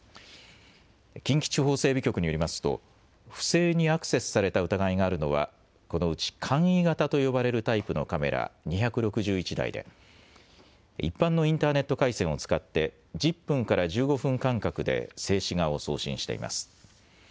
近畿地方整備局によりますと不正にアクセスされた疑いがあるのはこのうち簡易型と呼ばれるタイプのカメラ２６１台で一般のインターネット回線を使って１０分から１５分間隔で静止画を送信しています。